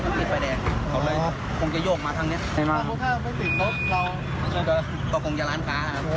ถ้าไม่ปิดรถก็คงจะร้านค้านะครับ